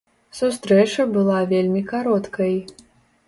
Сустрэча была вельмі кароткай.